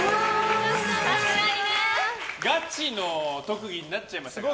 ガチの特技になっちゃいましたかね。